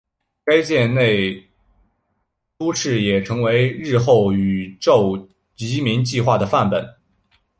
该舰内都市也成为日后宇宙移民计画的范本。